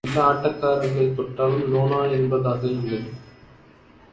எல்லா ஆட்டக்காரரைத் தொட்டாலும் லோனா என்பதாக இல்லை.